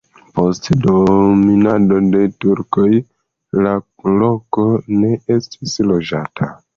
Post dominado de turkoj la loko ne estis loĝata.